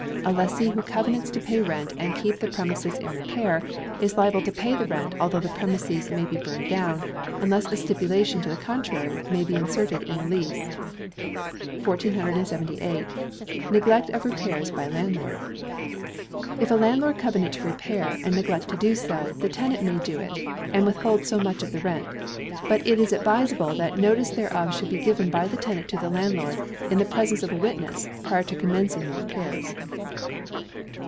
A lessee who covenants to pay rent and keep the premises in repair, is liable to pay the rent although the premises may be burned down, unless a stipulation to the contrary be inserted in the lease. 1478. Neglect of Repairs by Landlord. If a landlord covenant to repair, and neglect to do so, the tenant may do it, and withhold so much of the rent. But it is advisable that notice thereof should be given by the tenant to the landlord, in the presence of a witness, prior to commencing the repairs.